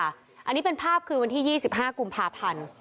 อันนี้เป็นภาพคืนวันที่๒๕กุมภาพันธ์